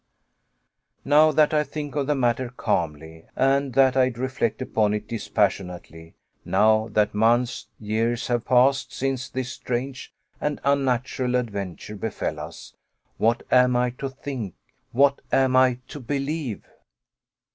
Now that I think of the matter calmly, and that I reflect upon it dispassionately; now that months, years, have passed since this strange and unnatural adventure befell us what am I to think, what am I to believe?